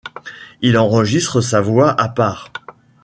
Il enregistre sa voix à part.